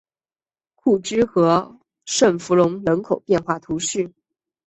库兹和圣弗龙人口变化图示